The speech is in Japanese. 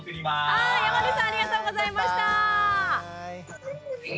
はい山地さんありがとうございました。